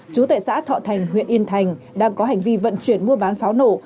chú tại xã thọ thành huyện yên thành đang có hành vi vận chuyển mua bán pháo nổ